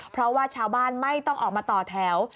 เพราะว่าชาวบ้านไม่ต้องออกมาต่อแถว